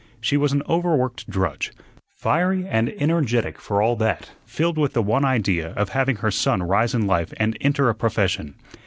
She was an overworked drudge, fiery and energetic for all that, filled with the one idea of having her son rise in life and enter a profession.